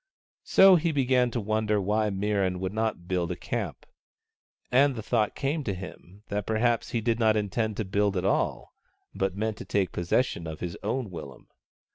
So he began to wonder why Mirran would not build a camp, and the thought came to him that perhaps he did not intend to build at all, but meant to take possession of his own willum.